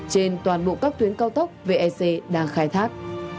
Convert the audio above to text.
trên toàn bộ các tuyến cao tốc vec đang khai thác